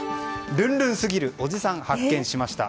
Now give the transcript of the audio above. ルンルンすぎるおじさん発見しました。